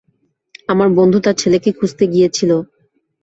আমার বন্ধু তার ছেলেকে খুঁজতে গিয়েছিলো।